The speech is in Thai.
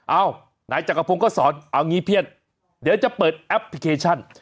เอ้านายจักรพงศ์ก็สอนเอางี้เพียดเดี๋ยวจะเปิดแอปพลิเคชัน